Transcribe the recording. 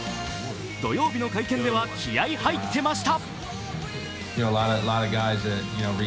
土曜日の会見では気合い入ってました。